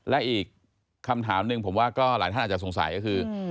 และอีกคำถามหนึ่งผมว่าก็หลายท่านอาจจะสงสัยก็คือ